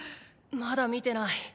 まだ見てない。